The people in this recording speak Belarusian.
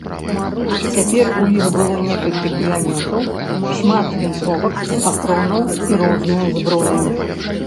Цяпер у іх было некалькі кулямётаў, шмат вінтовак, патронаў і рознае зброі.